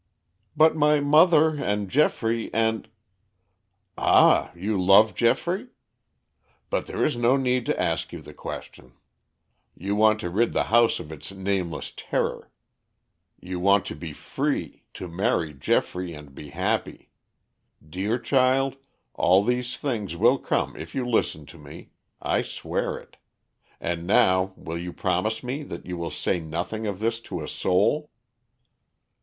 "But my mother and Geoffrey and " "Ah, you love Geoffrey? But there is no need to ask you the question. You want to rid the house of its nameless terror; you want to be free, to marry Geoffrey and be happy. Dear child, all these things will come if you listen to me. I swear it. And now will you promise me that you will say nothing of this to a soul?"